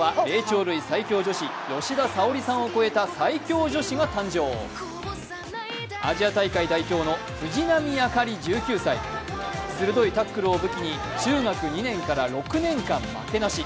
レスリングからは成長類最強女子、吉田沙保里さんを超えた最強女子が誕生、アジア大会代表の藤波朱理１９歳、鋭いタックルを武器に中学２年から６年間負けなし。